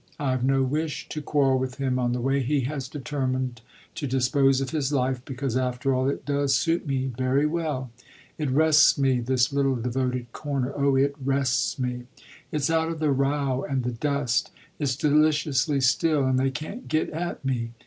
I've no wish to quarrel with him on the way he has determined to dispose of his life, because after all it does suit me very well. It rests me, this little devoted corner; oh it rests me! It's out of the row and the dust, it's deliciously still and they can't get at me.